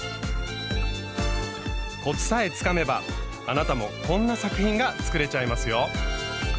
コツさえつかめばあなたもこんな作品が作れちゃいますよ。